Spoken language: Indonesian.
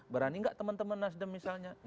berani nggak teman teman nasdem misalnya